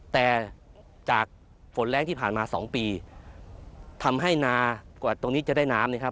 แต่จากฝนแรงที่ผ่านมาสองปีทำให้นากว่าตรงนี้จะได้น้ำนะครับ